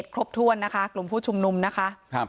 ครบถ้วนนะคะกลุ่มผู้ชุมนุมนะคะ